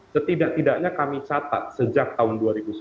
setidak tidaknya kami catat sejak tahun dua ribu sepuluh